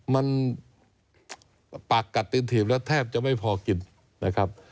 มันปากกัดเต็มถีบแล้วแทบจะไม่พอกินนะครับ